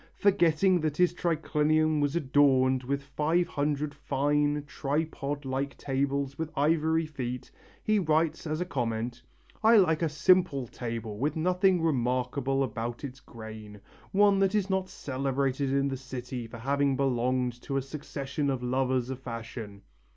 Forgetting that his triclinium was adorned with five hundred fine, tripod like tables with ivory feet, he writes as a comment: "I like a simple table with nothing remarkable about its grain, one that is not celebrated in the city for having belonged to a succession of lovers of fashion."